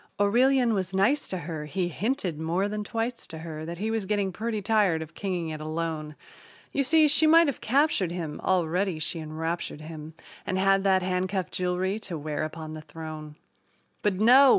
Aurelian was nice to her he hinted more than twice to her That he was getting pretty tired of kinging it alone. You see, she might have captured him already she enraptured him And had that handcuff jewelry to wear upon the throne. But, no!